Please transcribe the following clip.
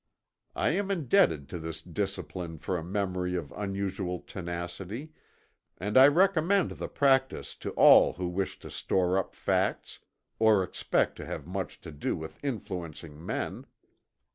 I am indebted to this discipline for a memory of unusual tenacity, and I recommend the practice to all who wish to store up facts, or expect to have much to do with influencing men."